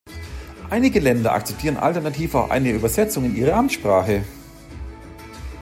Einige Länder akzeptieren alternativ auch eine Übersetzung in ihre Amtssprache.